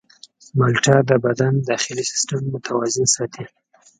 مالټه د بدن داخلي سیستم متوازن ساتي.